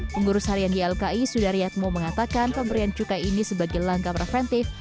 pengurus harian ylki sudaryatmo mengatakan pemberian cukai ini sebagai langkah preventif